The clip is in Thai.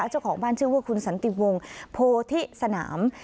เจ้าของบ้านชื่อว่าคุณสันติวงโพธิสนาม